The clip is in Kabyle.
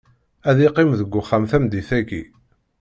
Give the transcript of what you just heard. Ad iqqim deg uxxam tameddit-aki.